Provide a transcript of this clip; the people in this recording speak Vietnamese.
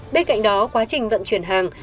bên cạnh đó quá trình vận chuyển hàng